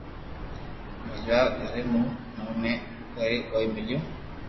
پئچوا گھر مون بي اوني ڪوئي ڪوئي ميليو